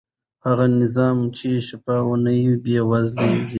هغه نظام چې شفاف نه وي بې باوري زېږوي